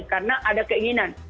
karena ada keinginan